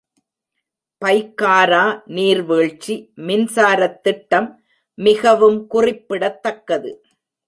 பைக்காரா நீர் வீழ்ச்சி மின்சாரத் திட்டம் மிகவும் குறிப்பிடத்தக்கது.